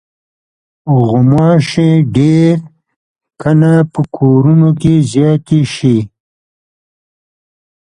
غوماشې ډېر کله په کورونو کې زیاتې شي.